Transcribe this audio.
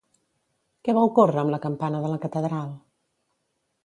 Què va ocórrer amb la campana de la catedral?